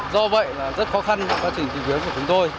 do vậy rất khó khăn quá trình tìm kiếm của chúng tôi